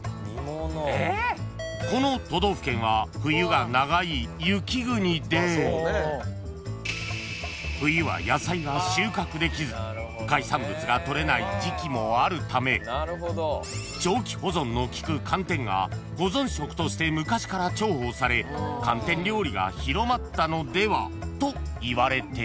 ［この都道府県は冬が長い雪国で冬は野菜が収穫できず海産物がとれない時期もあるため長期保存の利く寒天が保存食として昔から重宝され寒天料理が広まったのではといわれている］